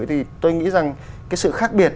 thì tôi nghĩ rằng cái sự khác biệt